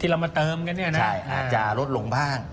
ที่เรามาเติมกันเนี่ยนะใช่อาจจะลดลงภาค